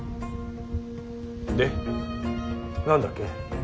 で何だっけ。